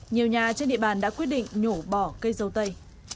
nhiều nhà trên địa bàn đã quyết định nhổ bỏ cây dâu tây